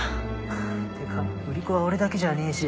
ってか売り子は俺だけじゃねえし。